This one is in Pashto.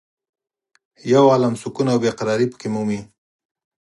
یو عالم سکون او بې قرارې په کې مومې.